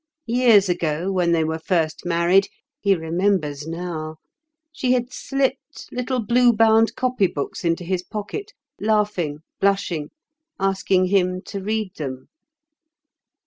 Years ago, when they were first married—he remembers now—she had slipped little blue bound copy books into his pocket, laughing, blushing, asking him to read them.